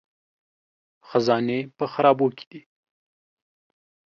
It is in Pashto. خزانې په خرابو کې دي